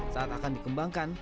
saat akan dikembangkan